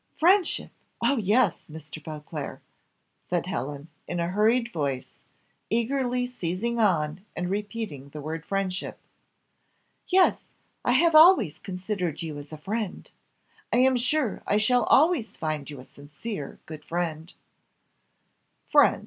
"Friendship! Oh, yes! Mr. Beauclerc," said Helen, in a hurried voice, eagerly seizing on and repeating the word friendship; "yes, I have always considered you as a friend. I am sure I shall always find you a sincere, good friend." "Friend!"